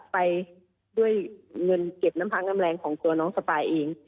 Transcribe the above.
ไปด้วยเงินเก็บน้ำพักน้ำแรงของตัวน้องสปายเอง